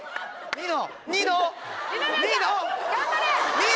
ニノ！